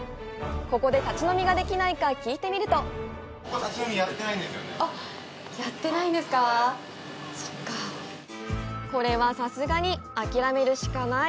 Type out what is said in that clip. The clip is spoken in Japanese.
ここで立ち飲みができないか聞いてみるとこれはさすがに諦めるしかない。